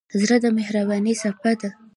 زړه د مهربانۍ څپه ده.